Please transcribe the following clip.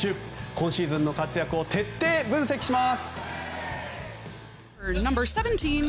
今シーズンの活躍を徹底分析します。